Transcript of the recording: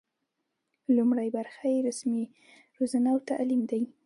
لومړۍ برخه یې رسمي روزنه او تعلیم دی.